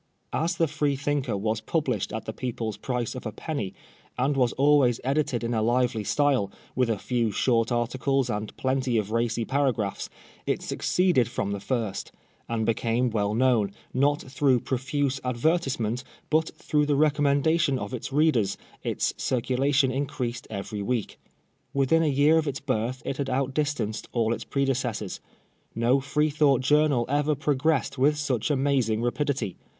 As the Freethinker was published at the people's price of a penny, and was always edited in a lively style, with a few short articles and plenty of racy paragraphs, it succeeded from the first ; and becoming well known, not through profuse advertisement, but through the recommendation of its readers, its circulation increased every week. Within a year of its birth it had out di'^oanced all its predecessors. No Freethought journal e*er progressed with such amazing rapidity.